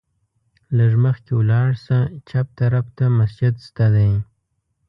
لږ مخکې ولاړ شه، چپ طرف ته مسجد شته دی.